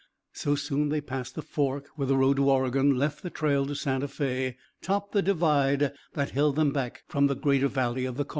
So soon they passed the fork where the road to Oregon left the trail to Santa Fé; topped the divide that held them back from the greater valley of the Kaw.